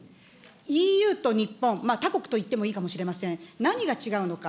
ＥＵと日本、他国といってもいいかもしれません、何が違うのか。